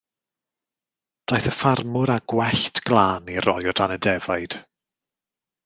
Daeth y ffarmwr â gwellt glân i roi o dan y defaid.